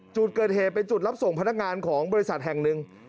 จุดเกิดเหตุเป็นจุดรับส่งพนักงานของบริษัทแห่งหนึ่ง